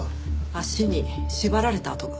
足に縛られた痕が。